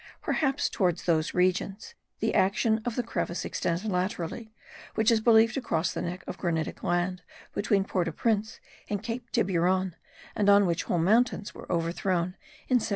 Perhaps towards those regions the action of the crevice extends laterally, which is believed to cross the neck of granitic land between Port au Prince and Cape Tiburon and on which whole mountains were overthrown in 1770.